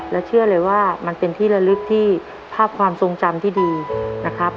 และเชื่อเลยว่ามันเป็นที่ละลึกที่ภาพความทรงจำที่ดีนะครับ